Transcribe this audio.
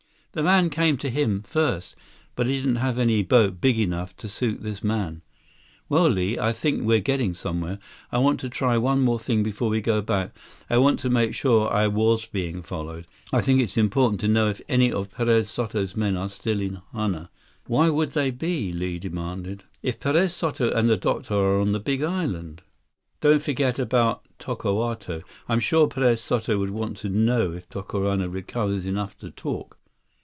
The man came to him, first, but he didn't have any boat big enough to suit this man." "Well, Li, I think we're getting somewhere. I want to try one more thing before we go back. I want to make sure I was being followed. I think it's important to know if any of Perez Soto's men are still in Hana." "Why would they be," Li demanded, "if Perez Soto and the doctor are on the Big Island?" "Don't forget about Tokawto. I'm sure Perez Soto would want to know if Tokawto recovers enough to talk."